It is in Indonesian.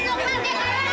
juriin nih dia goreknya